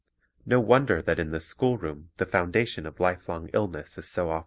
No wonder that in the school room the foundation of lifelong illness is so often laid.